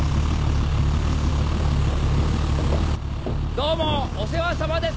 どうもお世話さまです。